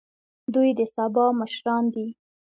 دوی د سبا مشران دي